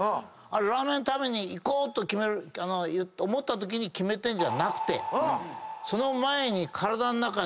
あれラーメン食べに行こうって思ったときに決めてるんじゃなくてその前に。